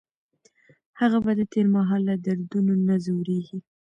هغه به د تېر مهال له دردونو نه ځوریږي.